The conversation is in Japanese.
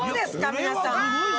皆さん」